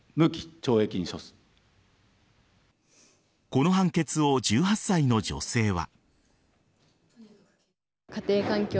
この判決を１８歳の女性は。